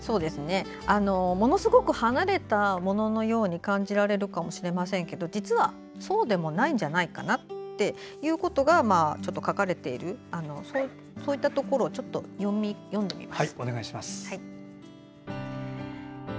ものすごく離れたもののように感じられるかもしれませんけど実はそうでもないんじゃないかなっていうことが書かれていてそういったところを読んでみます。